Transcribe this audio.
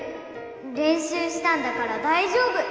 れんしゅうしたんだからだいじょうぶ！